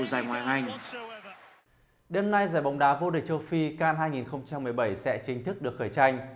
ngoại bóng đá vô địch châu phi can hai nghìn một mươi bảy sẽ chính thức được khởi tranh